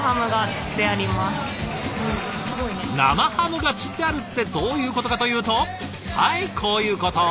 生ハムがつってあるってどういうことかというとはいこういうこと！